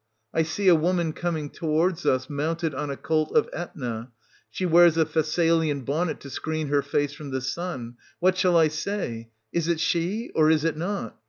I see a woman coming towards us, mounted on a colt of Etna; she wears a Thessalian bonnet to screen her face from the sun. What shall I say } Is it she, or is it not